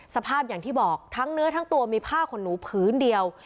สภาพอย่างที่บอกทั้งเนื้อทั้งตัวมีผ้าขนหนูพื้นเดียว